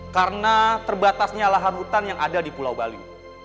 karena terbatasnya lahan hutan yang ada di pulau bali